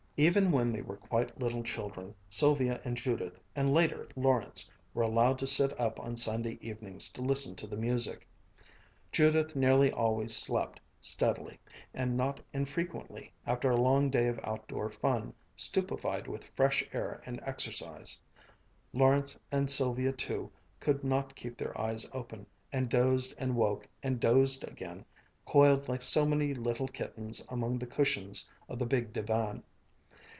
Even when they were quite little children, Sylvia and Judith, and later, Lawrence, were allowed to sit up on Sunday evenings to listen to the music. Judith nearly always slept, steadily; and not infrequently after a long day of outdoor fun, stupefied with fresh air and exercise, Lawrence, and Sylvia too, could not keep their eyes open, and dozed and woke and dozed again, coiled like so many little kittens among the cushions of the big divan.